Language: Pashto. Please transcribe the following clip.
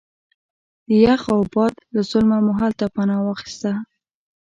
د یخ او باد له ظلمه مو هلته پناه واخسته.